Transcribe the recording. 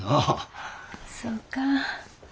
そうか。